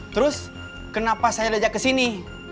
terus kenapa saya lejak ke sini